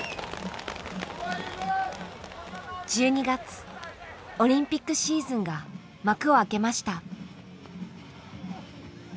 １２月オリンピックシーズンが幕を開けました。